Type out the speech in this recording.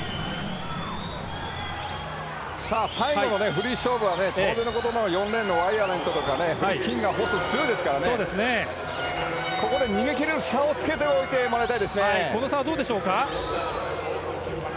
最後のフリーの勝負は当然のことながら４レーンのワイヤントとかフリッキンガー、ホッスー強いですからここで逃げ切る差をつけておいてもらいたいですね。